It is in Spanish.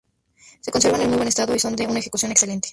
Se conservan en muy buen estado y son de una ejecución excelente.